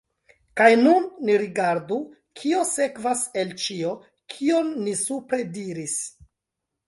Kaj nun ni rigardu, kio sekvas el ĉio, kion ni supre diris.